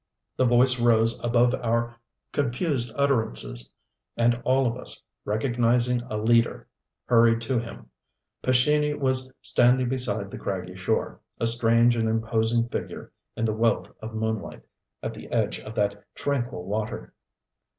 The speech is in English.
The voice rose above our confused utterances, and all of us, recognizing a leader, hurried to him. Pescini was standing beside the craggy shore, a strange and imposing figure in the wealth of moonlight, at the edge of that tranquil water.